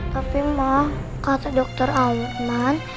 tapi ma kata dokter aumerman